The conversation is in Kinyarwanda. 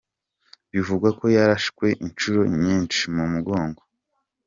Bivugwa ko yarashwe incuro nyinshi mu mugongo.